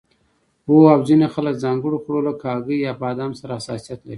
هو او ځینې خلک د ځانګړو خوړو لکه هګۍ یا بادام سره حساسیت لري